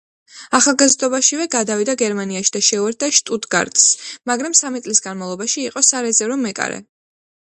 ახალგაზრდობაშივე გადავიდა გერმანიაში და შეუერთდა „შტუტგარტს“, მაგრამ სამი წლის განმავლობაში იყო სარეზერვო მეკარე.